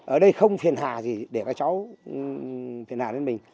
ở đây không phiền hà gì để các cháu phiền hà đến mình